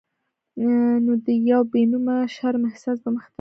نو د یو بې نومه شرم احساس به مخې ته راته ودرېد.